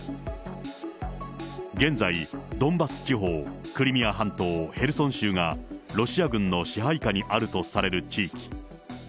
現在、ドンバス地方、クリミア半島、ヘルソン州が、ロシア軍の支配下にあるとされる地域。